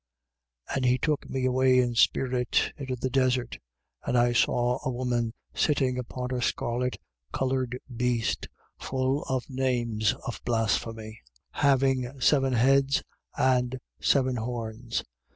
17:3. And he took me away in spirit into the desert. And I saw a woman sitting upon a scarlet coloured beast, full of names of blasphemy, having seven heads and ten horns.